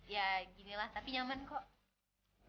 ya ginilah tapi nyaman kok